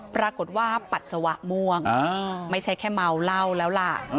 ปรากฏว่าปัสสาวะม่วงไม่ใช่แค่เมาเหล้าแล้วล่ะ